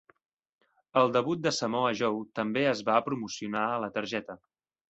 El debut de Samoa Joe també es va promocionar a la targeta.